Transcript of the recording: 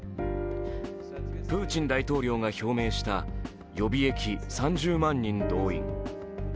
プーチン大統領が表明した予備役３０万人動員。